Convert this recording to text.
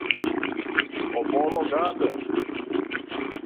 homologada